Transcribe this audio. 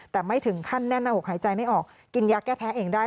แต่ไม่ถึงขั้นแน่นหน้าอกหายใจไม่ออกกินยาแก้แพ้เองได้